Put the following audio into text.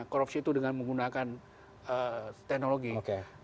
korupsi itu dengan menggunakan teknologi yang lebih besar